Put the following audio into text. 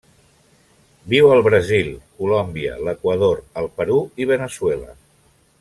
Viu al Brasil, Colòmbia, l'Equador, el Perú i Veneçuela.